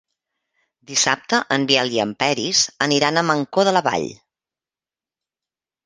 Dissabte en Biel i en Peris aniran a Mancor de la Vall.